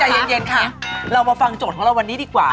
ใจเย็นค่ะเรามาฟังโจทย์ของเราวันนี้ดีกว่า